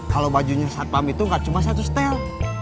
kalo bajunya satpam itu gak cuma satu setel